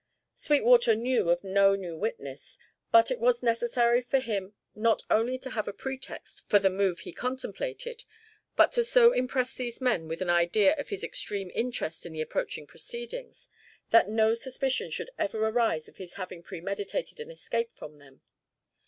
Sweetwater knew of no new witness, but it was necessary for him not only to have a pretext for the move he contemplated, but to so impress these men with an idea of his extreme interest in the approaching proceedings, that no suspicion should ever arise of his having premeditated an escape from them.